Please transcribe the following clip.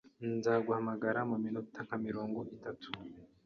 Nzaguhamagara mu minota nka mirongo itatu